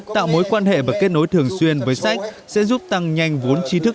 tạo mối quan hệ và kết nối thường xuyên với sách sẽ giúp tăng nhanh vốn chi thức